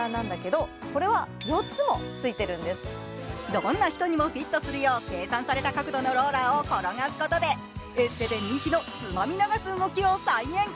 どんな人にもフィットするよう計算されたローラーを転がすことでエステで人気のつまみ流す動きを再現。